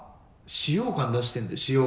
使用感出してんだよ